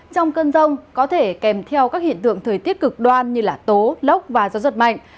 trong cơn rông có thể kèm theo các hiện tượng thời tiết cực đoan như tố lốc và gió giật mạnh